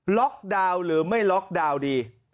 ล็อกดาวน์หรือไม่ล็อกดาวน์ดี